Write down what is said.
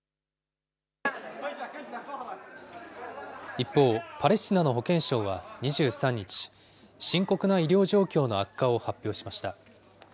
一方、パレスチナの保健省は２３日、深刻な医療状況の悪化を発表しました。